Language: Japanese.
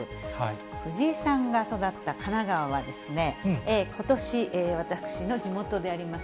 藤井さんが育った神奈川はですね、ことし私の地元であります